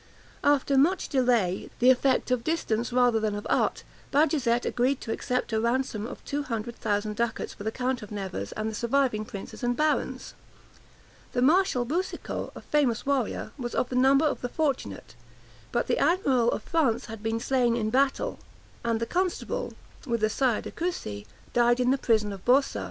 After much delay, the effect of distance rather than of art, Bajazet agreed to accept a ransom of two hundred thousand ducats for the count of Nevers and the surviving princes and barons: the marshal Boucicault, a famous warrior, was of the number of the fortunate; but the admiral of France had been slain in battle; and the constable, with the Sire de Coucy, died in the prison of Boursa.